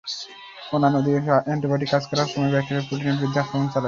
অন্যান্য অধিকাংশ অ্যান্টিবায়োটিক কাজ করার সময় ব্যাকটেরিয়ার প্রোটিনের বিরুদ্ধে আক্রমণ চালায়।